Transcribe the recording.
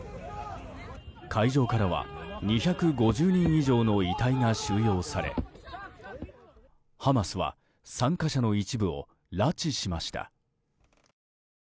会場からは２５０人以上の遺体が収容されハマスは参加者の一部を拉致しました。